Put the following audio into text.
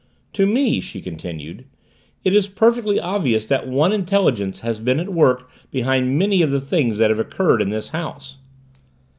"To me," she continued, "it is perfectly obvious that one intelligence has been at work behind many of the things that have occurred in this house."